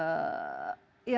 ya sering mungkin dengan